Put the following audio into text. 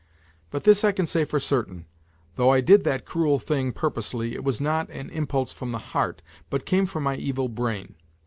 But this I can say for certain : though I did that cruel thing purposely, it was not an impulse from the heart, but came from my evil brain.